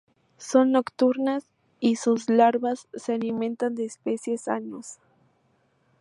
Son nocturnas, y sus larvas se alimentan de especies Alnus.